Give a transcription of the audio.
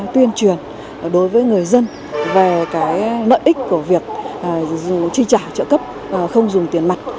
tuyên truyền đối với người dân về nợ ích của việc tri trả trợ cấp không dùng tiền mặt